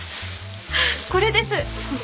これです。